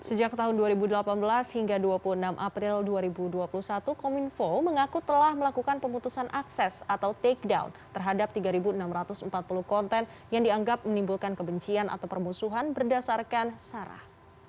sejak tahun dua ribu delapan belas hingga dua puluh enam april dua ribu dua puluh satu kominfo mengaku telah melakukan pemutusan akses atau take down terhadap tiga enam ratus empat puluh konten yang dianggap menimbulkan kebencian atau permusuhan berdasarkan sarah